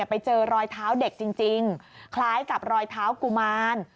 ไปเจอรอยเท้าเด็กจริงคล้ายกับรอยเท้ากุมาร